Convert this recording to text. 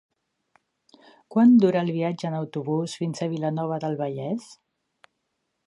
Quant dura el viatge en autobús fins a Vilanova del Vallès?